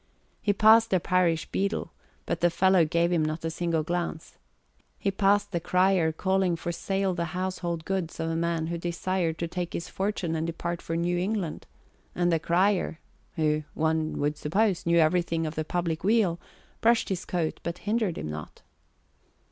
He passed a parish beadle, but the fellow gave him not a single glance; he passed the crier calling for sale the household goods of a man who desired to take his fortune and depart for New England, and the crier (who, one would suppose, knew everything of the public weal) brushed his coat but hindered him not.